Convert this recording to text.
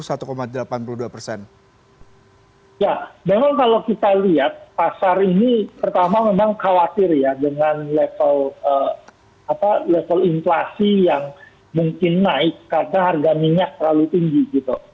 ya memang kalau kita lihat pasar ini pertama memang khawatir ya dengan level inflasi yang mungkin naik karena harga minyak terlalu tinggi gitu